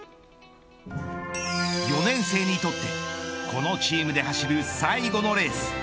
４年生にとってこのチームで走る最後のレース。